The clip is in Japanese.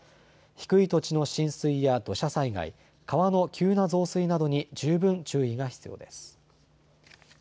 低い土地の浸水や土砂災害、川の急な増水などに十分注意が必要です。